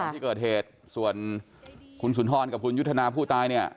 ที่เกิดเหตุส่วนคุณสุนทรกับคุณยุทธนาผู้ตายเนี่ย